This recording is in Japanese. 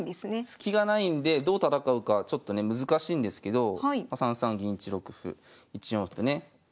スキがないんでどう戦うかちょっとね難しいんですけど３三銀１六歩１四歩とね。